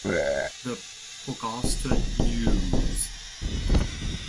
"The Pogosta News".